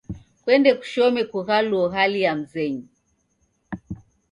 Kuende kushome kughaluo hali ya mzenyu.